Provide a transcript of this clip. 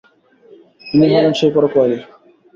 ইনি হলেন সেই পরোপকারী।